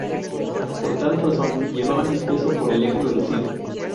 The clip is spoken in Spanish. Por tal razón llevaban un peso por eje reducido.